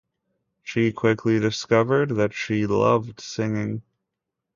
She quickly discovered that she loved singing.